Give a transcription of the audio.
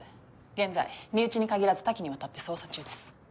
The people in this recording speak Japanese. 現在身内に限らず多岐にわたって捜査中です。